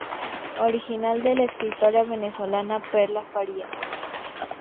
Original de la escritora venezolana Perla Farías.